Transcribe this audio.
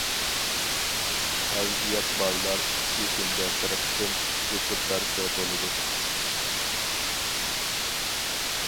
قەۋزىيەت بارلار ئىككى كۈندە بىر قېتىم ئىشلىتىپ بەرسە بولىدۇ.